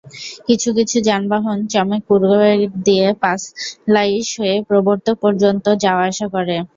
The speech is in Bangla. কিছু কিছু যানবাহন চমেক পূর্বগেট দিয়ে পাঁচলাইশ হয়ে প্রবর্তক পর্যন্ত যাওয়া-আসা করে।